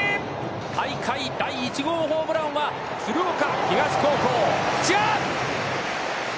大会第１号ホームランは、鶴岡東高校、土屋！